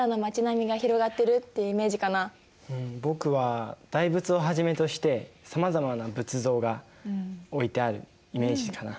僕は大仏をはじめとしてさまざまな仏像が置いてあるイメージかな。